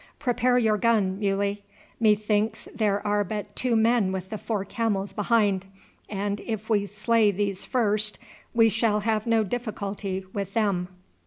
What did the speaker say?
Prepare your gun, Muley. Methinks there are but two men with the four camels behind, and if we slay these first we shall have no difficulty with them."